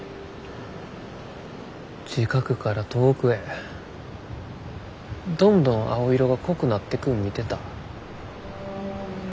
近くから遠くへどんどん青色が濃くなってくん見てた。